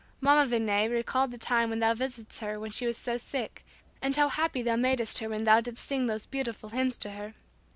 Mama Vigne recalled the time when thou visitedst her when she was so sick, and how happy thou madest her when thou didst sing those beautiful hymns to her.